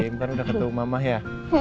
ntar udah ketemu mama ya